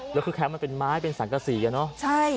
แล้วคือแคมป์มันเป็นไม้เป็นสังกษีอะเนาะใช่